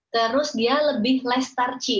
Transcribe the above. terus dia lebih less starchi